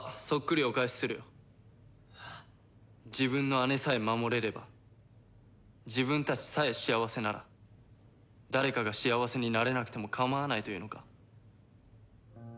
自分の姉さえ守れれば自分たちさえ幸せなら誰かが幸せになれなくても構わないというのか。